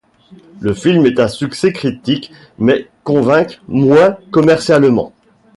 Le film est un succès critique, mais convainc moins commercialement.